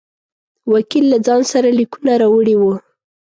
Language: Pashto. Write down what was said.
وکیل له ځان سره لیکونه راوړي وه.